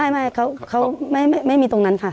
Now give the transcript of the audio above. ไม่เขาไม่มีตรงนั้นค่ะ